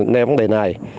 ném vấn đề này